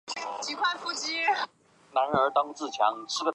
哈特山麓圣彼得是奥地利上奥地利州因河畔布劳瑙县的一个市镇。